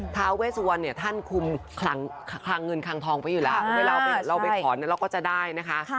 ท้าเวสวันเนี่ยท่านคุมคลังเงินคลังทองไปอยู่แล้วเวลาเราไปถอนเราก็จะได้นะคะ